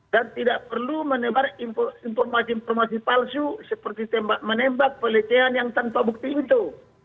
dan tidak perlu menembak informasi palsu seperti menembak pelecehan yang tanpa bukti itu